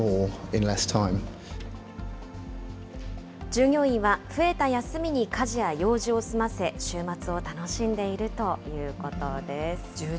従業員は増えた休みに家事や用事を済ませ、週末を楽しんでいるということです。